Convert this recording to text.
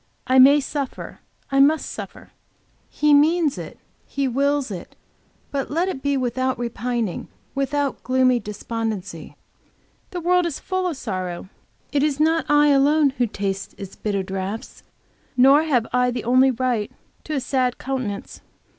I may suffer, I must suffer, He means it, He wills it, but let it be without repining, without gloomy despondency. The world is full of sorrow; it is not I alone who taste its bitter draughts, nor have I the only right to a sad countenance.